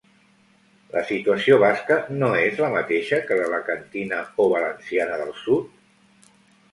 La situació basca no és la mateixa que l'alacantina o valenciana del sud?